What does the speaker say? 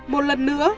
một lần nữa